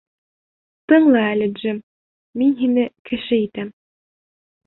Тыңла әле, Джим, мин һине кеше итәм!